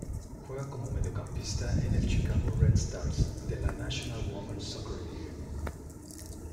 Juega como mediocampista en el Chicago Red Stars de la National Women's Soccer League.